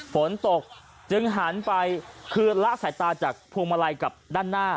ฝนตกจึงหันไปคือละสายตาจากพวงมาลัยกับด้านหน้า